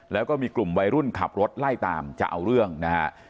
แล้วก็มีกลุ่มวัยรุ่นขับรถไล่ตามจะเอาเรื่องนะฮะ